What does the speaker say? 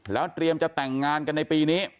แล้วเตรียมจะแต่งงานกันในปีนี้